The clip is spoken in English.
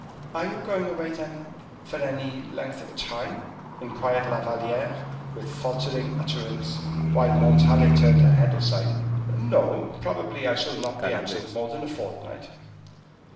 "Are you going away, then, for any length of time?" inquired La Valliere, with faltering utterance, while Montalais turned her head aside. "No; probably I shall not be absent more than a fortnight."